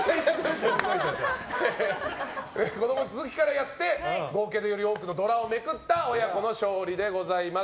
子供の続きからやって合計でより多くのドラをめくった親子の勝利でございます。